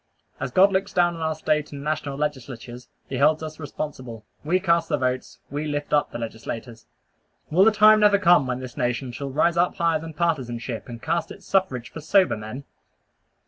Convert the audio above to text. As God looks down on our State and national legislatures, he holds us responsible. We cast the votes. We lift up the legislators. Will the time never come when this nation shall rise up higher than partisanship, and cast its suffrage for sober men?